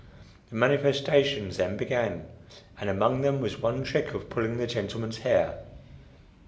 The manifestations then began, and among them was one trick of pulling the gentleman's hair.